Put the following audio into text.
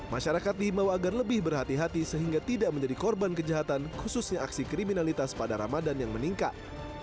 masyarakat diimbau agar lebih berhati hati sehingga tidak menjadi korban kejahatan khususnya aksi kriminalitas pada ramadan yang meningkat